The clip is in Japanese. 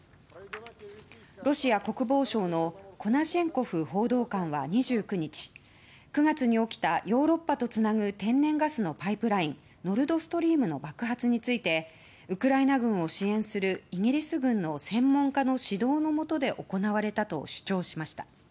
ロシア国防省のコナシェンコフ報道官は２９日９月に起きたヨーロッパとつなぐ天然ガスのパイプラインノルドストリームの爆発についてウクライナ軍を支援するイギリス軍の専門家の指導のもとで行われたと主張しました。